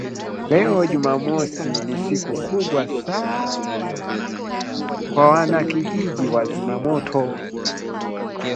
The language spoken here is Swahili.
Leo Jumamosi ni siku kubwa sana kwa wana kijiji wa Zimamoto